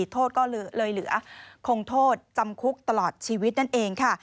โทษก็เลยเหลือคงโทษจำคุกตลอดชีวิตนั่นเองค่ะ